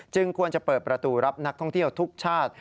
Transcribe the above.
ควรจะเปิดประตูรับนักท่องเที่ยวทุกชาติ